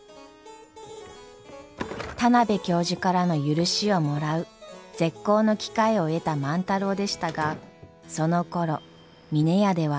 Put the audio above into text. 田邊教授からの許しをもらう絶好の機会を得た万太郎でしたがそのころ峰屋では。